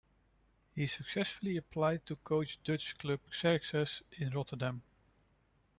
He successfully applied to coach Dutch club Xerxes in Rotterdam.